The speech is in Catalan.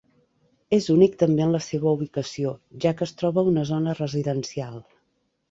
És únic també en la seva ubicació, ja que es troba a una zona residencial.